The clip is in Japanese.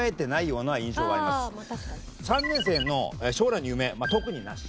３年生の将来の夢特になし。